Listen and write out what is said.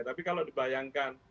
tapi kalau dibayangkan